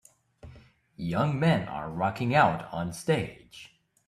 Young men are rocking out on stage